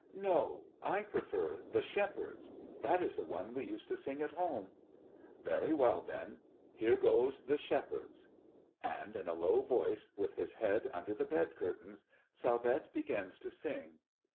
"No; I prefer 'The Shepherds.' That is the one we used to sing at home." "Very well, then. Here goes, 'The Shepherds.'" And in a low voice, with his head under the bed curtains, Salvette begins to sing.